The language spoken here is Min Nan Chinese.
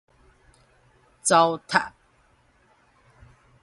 蹧躂